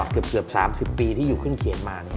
เกือบ๓๐ปีที่อยู่ขึ้นเขียนมา